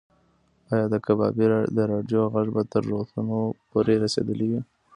ایا د کبابي د راډیو غږ به تر روغتونه پورې رسېدلی وي؟